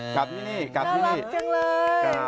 กราบมา